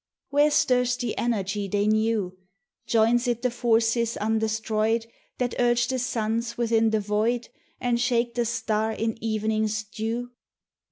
Where stirs the energy they knew? Joins it the forces undestroyed That urge the suns within the void, And shake the star in evening's dew?